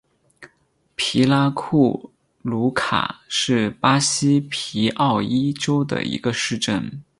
皮拉库鲁卡是巴西皮奥伊州的一个市镇。